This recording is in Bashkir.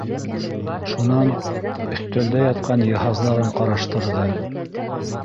Шунан өҫтәлдә ятҡан йыһаздарын ҡараштырҙы.